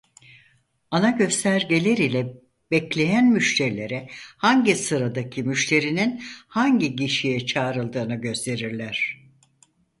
Ana göstergeler ile bekleyen müşterilere hangi sıradaki müşterinin hangi gişeye çağrıldığını gösterirler.